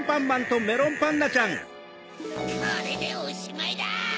これでおしまいだ！